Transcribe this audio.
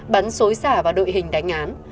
bắn xối xả và đội hình đánh án